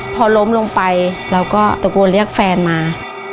พอล้มลงไปเราก็ตะโกนเรียกแฟนมา